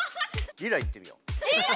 リラいってみよう。